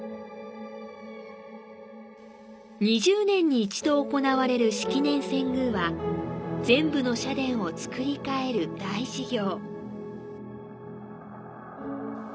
２０年に一度行われる式年遷宮は、全部の社殿を作り替える大事業。